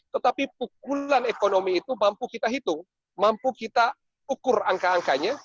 tetapi pukulan ekonomi itu mampu kita hitung mampu kita ukur angka angkanya